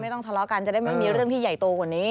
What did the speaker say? ต้องทะเลาะกันจะได้ไม่มีเรื่องที่ใหญ่โตกว่านี้